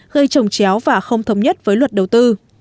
gây trồng chéo và không thống nhất với luật đầu tư